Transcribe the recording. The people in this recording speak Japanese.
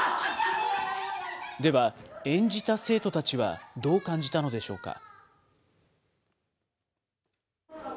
では、演じた生徒たちはどう感じたのでしょうか。